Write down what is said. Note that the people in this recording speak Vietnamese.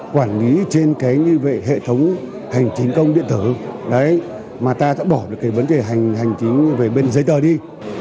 quản lý trên cái như vệ hệ thống hành chính công điện tử mà ta đã bỏ được cái vấn đề hành chính về bên giấy tờ đi